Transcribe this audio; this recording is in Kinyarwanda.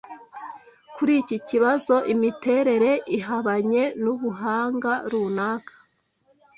Kuri iki kibazo, imiterere ihabanye nubuhanga runaka